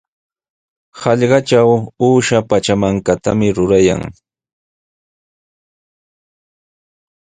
Hallqatraw uusha pachamankatami rurayan.